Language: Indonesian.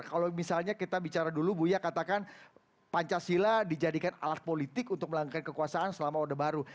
kalau misalnya kita bicara dulu buya katakan pancasila dijadikan alat politik untuk melangkah kekuasaan selama orde baru